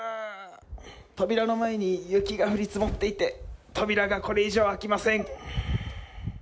扉の前に雪が降り積もっていて扉がこれ以上開きません。